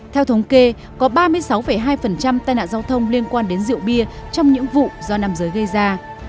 theo thống kê có ba mươi sáu hai tai nạn giao thông liên quan đến rượu bia trong những vụ do nam giới gây ra